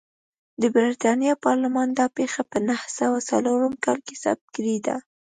د برېټانیا پارلمان دا پېښه په نهه سوه څلورم کال کې ثبت کړې ده.